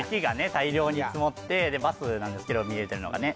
大量に積もってバスなんですけど見えてるのがね